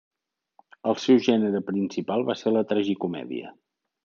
El seu gènere principal va ser la tragicomèdia.